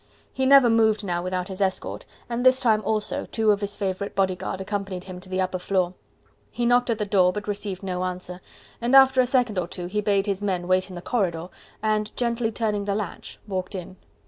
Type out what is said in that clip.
He never moved now without his escort, and this time also two of his favourite bodyguards accompanied him to the upper floor. He knocked at the door, but received no answer, and after a second or two he bade his men wait in the corridor and, gently turning the latch, walked in.